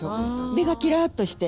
目がキラッとして。